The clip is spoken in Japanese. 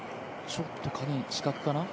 ちょっと死角かな？